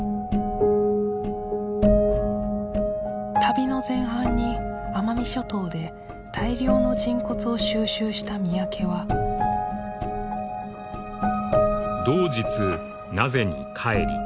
旅の前半に奄美諸島で大量の人骨を収集した三宅は「同日名瀬に帰り」